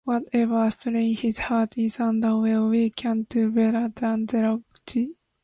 Whatever strain his heart is under, well, we can't do better than zero "g".